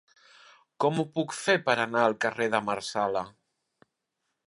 Com ho puc fer per anar al carrer de Marsala?